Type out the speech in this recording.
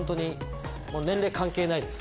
年齢関係ないです。